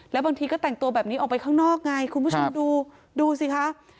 แล้วบางทีก็แต่งตัวแบบนี้ออกไปข้างนอกไงคุณผู้ชมดูดูสิคะ